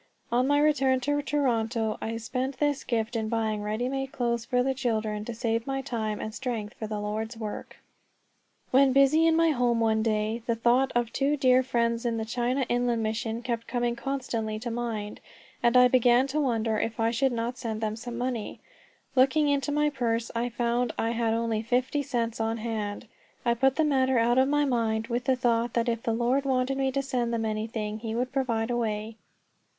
On my return to Toronto I spent this gift in buying ready made clothes for the children, to save my time and strength for the Lord's work. When busy in my home one day, the thought of two dear friends of the China Inland Mission kept coming constantly to mind, and I began to wonder if I should not send them some money. Looking into my purse, I found I had only fifty cents on hand. I put the matter out of my mind, with the thought that if the Lord wanted me to send them anything he would provide a way.